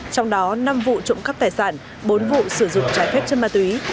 trong đó năm vụ trụng cấp tài sản bốn vụ sử dụng trái phép chân ma túy